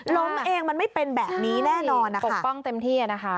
ล้มเองมันไม่เป็นแบบนี้แน่นอนปกป้องเต็มที่นะคะ